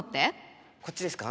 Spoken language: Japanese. こっちですか？